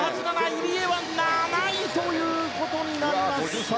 入江は７位ということになります。